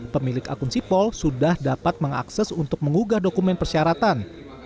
pemilik akun sipol sudah dapat mengakses untuk mengugah dokumen persyaratan